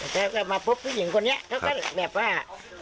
แล้วก็มาพบผู้หญิงคนนี้เขาก็แบบว่า